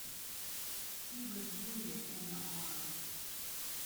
He was wounded in the arm.